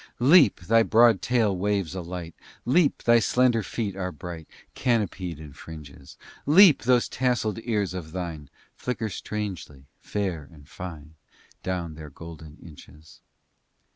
V Leap! thy broad tail waves a light, Leap! thy slender feet are bright, Canopied in fringes; Leap! those tasselled ears of thine Flicker strangely, fair and fine Down their gold inches.